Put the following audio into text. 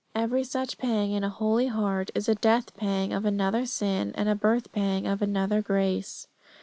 Every such pang in a holy heart is a death pang of another sin and a birth pang of another grace.